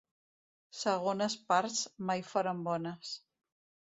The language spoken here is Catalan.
Segones parts mai foren bones.